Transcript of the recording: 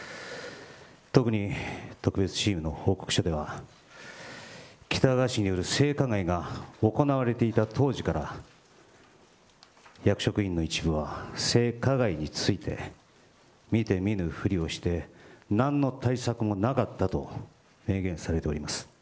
特に特別チームの報告書では喜多川氏による性加害が行われていた当時から役職員の一部は性加害について見て見ぬふりをして何の対策もなかったと明言されております。